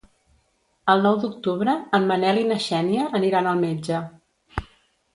El nou d'octubre en Manel i na Xènia aniran al metge.